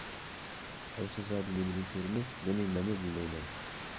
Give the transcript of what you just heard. ئەمىسە زادى نېمىدىن كۆرىمىز؟ . بۇنى مەنمۇ بىلمەيمەن.